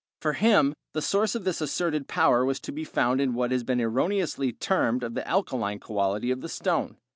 For him the source of this asserted power was to be found in what has been erroneously termed the alkaline quality of the stone.